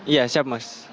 iya siap mas